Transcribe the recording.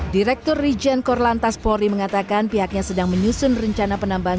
direktur rijen korlantas polri mengatakan pihaknya sedang menyusun rencana penambahan